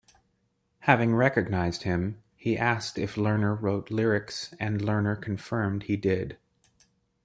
Having recognized him, he asked if Lerner wrote lyrics and Lerner confirmed he did.